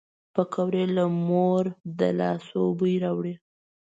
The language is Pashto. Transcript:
پکورې له مور د لاسو بوی راوړي